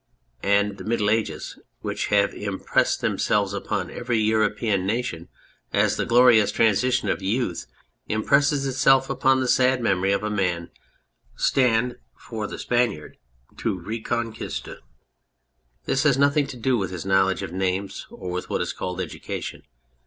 And the Middle Ages, which have impressed themselves upon every Euro pean nation as the glorious transition of youth im presses itself upon the sad memory of a man, stand to the Spaniard for the Reconquista. This has nothing to do with his knowledge of names or with what is called " Education."